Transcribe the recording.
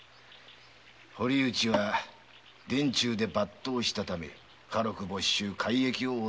堀内は殿中で抜刀したため家禄没収改易を仰せつかった。